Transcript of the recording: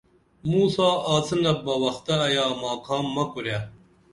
موں سا آڅِنپ بہ وختہ ایا ماکھام مہ کُرے